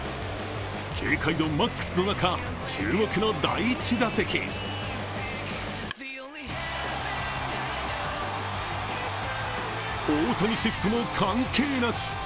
警戒度マックスの中、注目の第１打席大谷シフトも関係なし。